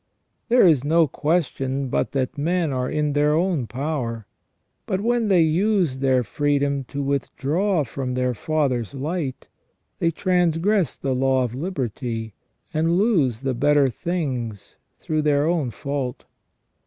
There is no question but that men are in their own power ; but when they use their freedom to withdraw from their Father's light, they trangress the law of liberty, and lose the better things through their own fault.